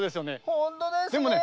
ほんとですね。